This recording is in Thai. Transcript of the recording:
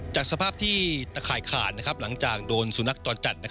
จากสภาพที่ตะข่ายขาดหลังจากโดนสุนัขจรจัด